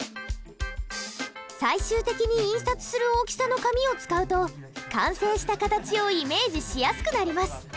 最終的に印刷する大きさの紙を使うと完成した形をイメージしやすくなります。